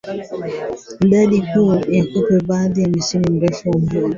Idadi ya juu ya kupe baada ya msimu mrefu wa mvua